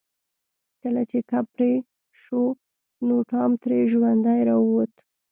کله چې کب پرې شو نو ټام ترې ژوندی راووت.